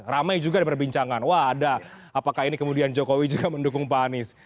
ramai juga diperbincangkan wah ada apakah ini kemudian jokowi juga mendukung pak anies